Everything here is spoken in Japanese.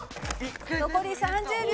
残り３０秒。